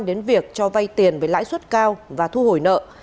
đến việc cho vay tiền với lãi suất cao và thu hồi nợ